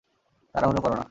তাড়াহুড়ো করো না।